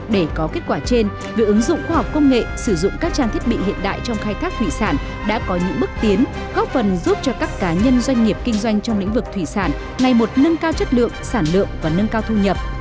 để có kết quả trên việc ứng dụng khoa học công nghệ sử dụng các trang thiết bị hiện đại trong khai thác thủy sản đã có những bước tiến góp phần giúp cho các cá nhân doanh nghiệp kinh doanh trong lĩnh vực thủy sản ngày một nâng cao chất lượng sản lượng và nâng cao thu nhập